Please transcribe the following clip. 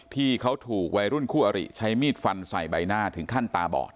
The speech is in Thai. ที่เขาถูกวัยรุ่นคู่อริใช้มีดฟันใส่ใบหน้าถึงขั้นตาบอด